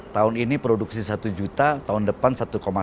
tahun ini produksi satu juta tahun depan satu lima